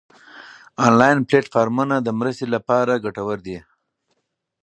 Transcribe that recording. انلاین پلیټ فارمونه د مرستې لپاره ګټور دي.